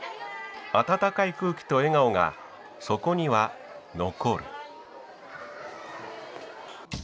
温かい空気と笑顔がそこには残る。